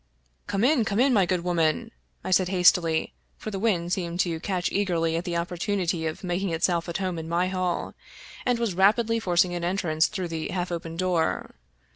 " Come in, come in, my good woman," I said hastily, for the wind seemed to catch eagerly at the opportunity of making itself at home in my hall, and was rapidly forcing an entrance through the half open door.